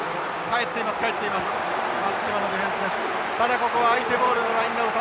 ただここは相手ボールのラインアウト。